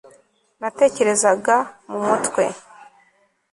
natekerezaga mu mutwe